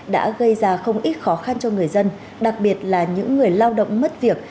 đã gây ra không ít khó khăn cho người dân đặc biệt là những người lao động mất việc